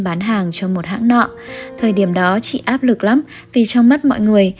trong thời điểm đó chị áp lực lắm vì trong mắt mọi người